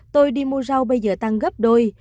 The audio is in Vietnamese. tôi đi mua rau bây giờ tăng gấp đôi